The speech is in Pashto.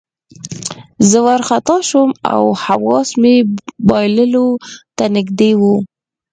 زه وارخطا شوم او حواس مې بایللو ته نږدې وو